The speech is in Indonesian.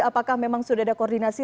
apakah memang sudah ada koordinasi